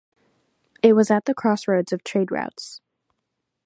It was at the crossroads of trade routes.